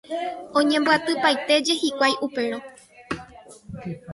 Oñembyatypaitéje hikuái upérõ.